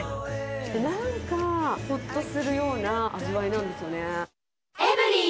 なんか、ほっとするような味わいなんですよね。